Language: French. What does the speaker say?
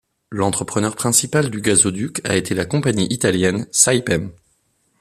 L'entrepreneur principal du gazoduc a été la compagnie italienne Saipem.